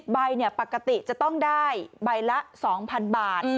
ใบปกติจะต้องได้ใบละ๒๐๐๐บาท